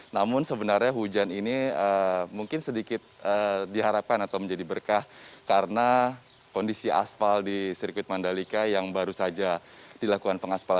namun sebenarnya hujan ini mungkin sedikit diharapkan atau menjadi berkah karena kondisi aspal di sirkuit mandalika yang baru saja dilakukan pengaspalan